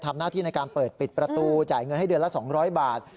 ทำหน้าที่ในการเปิดปิดประตูจ่ายเงินให้เดือนละ๒๐๐บาท